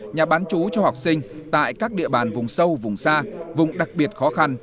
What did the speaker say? nhà bán chú cho học sinh tại các địa bàn vùng sâu vùng xa vùng đặc biệt khó khăn